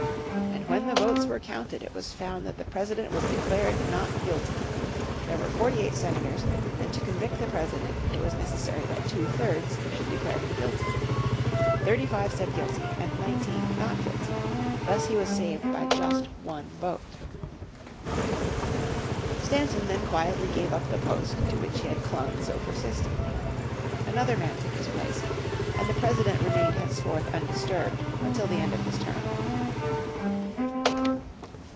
And when the votes were counted it was found that the President was declared guilty. There were forty eight Senators, and to convict the President it was necessary that two thirds should declare him guilty. Thirty five said guilty, and nineteen not guilty. Thus he was saved by just one vote. Stanton then quietly gave up the post to which he had clung so persistently. Another man took his place, and the President remained henceforth undisturbed until the end of his term.